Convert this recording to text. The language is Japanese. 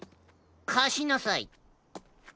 かしなさい。